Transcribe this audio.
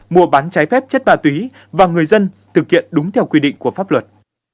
mua bán trái phép chất ma túy và người dân thực hiện đúng theo quy định của pháp luật